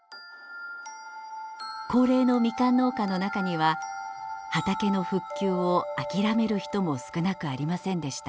高齢のみかん農家の中には畑の復旧を諦める人も少なくありませんでした。